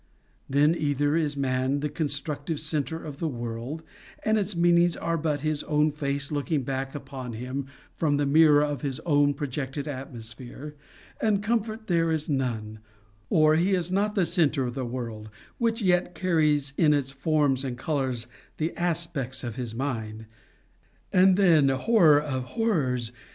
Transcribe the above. Then either is man the constructive centre of the world, and its meanings are but his own face looking back upon him from the mirror of his own projected atmosphere, and comfort there is none; or he is not the centre of the world, which yet carries in its forms and colours the aspects of his mind; and then, horror of horrors!